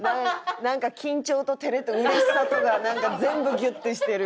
なんか緊張と照れとうれしさとが全部ギュッてしてる。